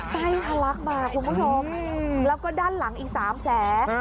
ไส้ทะลักมาคุณผู้ชมแล้วก็ด้านหลังอีก๓แผล